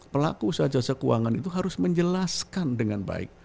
pelaku sahaja sekeuangan itu harus menjelaskan dengan baik